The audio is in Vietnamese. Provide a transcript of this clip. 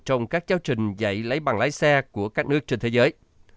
trong các giáo trình dạy lấy bằng lái xe của các nước trên thế giới